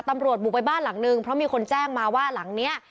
บุกไปบ้านหลังนึงเพราะมีคนแจ้งมาว่าหลังเนี้ย